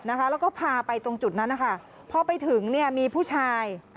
แล้วก็พาไปตรงจุดนั้นนะคะพอไปถึงเนี่ยมีผู้ชาย